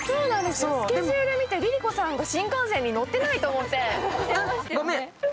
スケジュール見て、ＬｉＬｉＣｏさんが新幹線に乗ってないと思って。